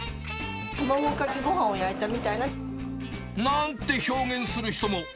卵かけごはんを焼いたみたいなんて表現する人も。